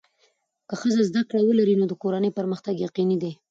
که ښځه زده کړه ولري، نو د کورنۍ پرمختګ یقیني دی.